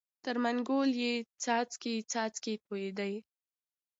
تر منګول یې څاڅکی څاڅکی تویېدلې